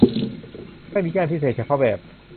ไม่มีย่านพิเศษเฉพาะแบบ